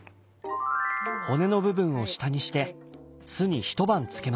骨の部分を下にして酢に一晩漬けます。